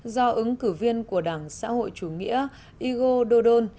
do ứng cử viên của đảng xã hội chủ nghĩa igor dodon